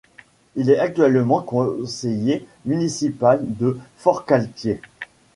Il est actuellement conseiller municipal de Forcalquier.